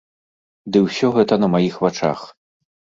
Ды ўсё гэта на маіх вачах.